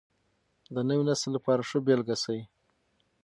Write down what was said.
د نوي نسل لپاره ښه بېلګه شئ.